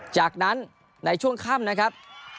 จากนั้นในช่วงค่ำนะครับ